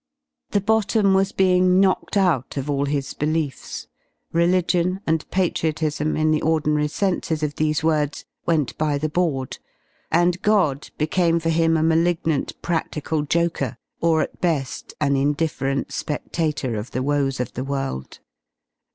The bottom was bemg knocked V out of all his beliefs: religion and patriotismy m the ordinary senses of these words, went by the board, and God became for him a malignant pradical joker, or at beli an indifferent Ispedator of the woes of the world.